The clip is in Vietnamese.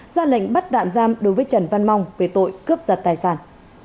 ra lệnh bắt tạm giam đối với trần văn mong về tội cướp giật tài sản